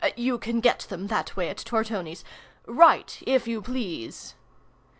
(You can get them that way at Tortoni's)—Write, if you please!